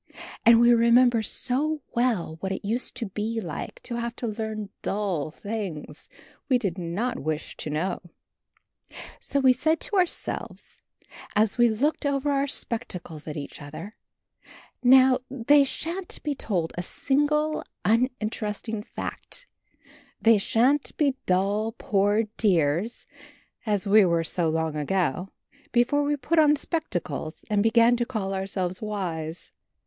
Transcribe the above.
And we remember so well what it used to be like to have to learn dull things we did not wish to know. So we said to ourselves, as we looked over our spectacles at each other, "No, they sha'n't be told a single uninteresting fact; they sha'n't be dull, poor dears, as we were so long ago, before we put on spectacles and began to call ourselves wise."